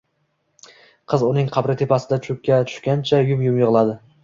Qiz uning qabri tepasida choʻkka tushgancha yum-yum yigʻladi.